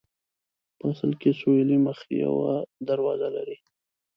په اصل کې سویلي مخ یوه دروازه لري.